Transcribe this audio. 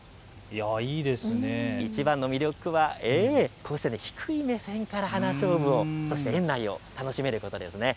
いちばんの魅力は低い目線からハナショウブを、そして園内を楽しめることです。